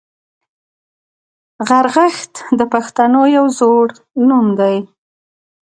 غرغښت د پښتنو یو زوړ نوم دی